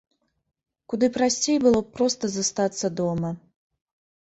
Куды прасцей было б проста застацца дома.